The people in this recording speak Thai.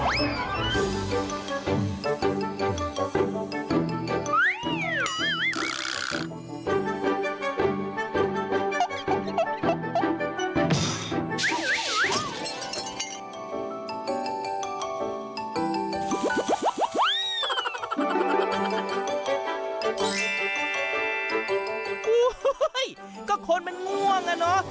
โอ้โหก็คนมันง่วงอ่ะเนอะ